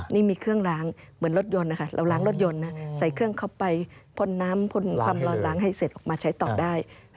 นี่มีเครื่องล้างเหมือนรถยนต์นะคะเราล้างรถยนต์นะใส่เครื่องเข้าไปพ่นน้ำพ่นความร้อนล้างให้เสร็จออกมาใช้ต่อได้